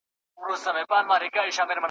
زه د اور په لمبه پایم ماته ما وایه چي سوځې ,